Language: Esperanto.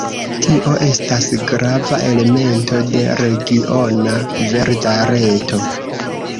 Tio estas grava elemento de regiona verda reto.